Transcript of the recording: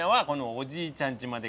おじいちゃんちまで。